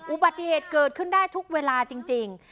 อุบัติเหตุเกิดขึ้นได้ทุกเวลาจริง